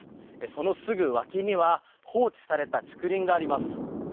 そのすぐ脇には放置された竹林があります。